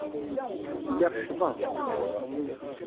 Lliɣ ccḍeɣ.